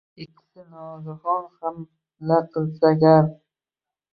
Ikkisi nogahon hamla qilsa gar